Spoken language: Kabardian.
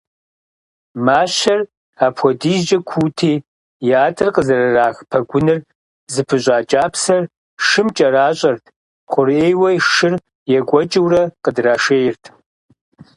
Мащэр апхуэдизкӏэ куути, ятӏэр къызэрырах пэгуныр зыпыщӏа кӏапсэр шым кӏэращӏэрт, хъурейуэ шыр екӏуэкӏыурэ къыдрашейрт.